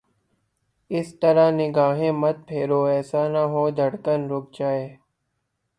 اس طرح نگاہیں مت پھیرو، ایسا نہ ہو دھڑکن رک جائے